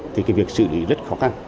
thì cái việc xử lý rất khó khăn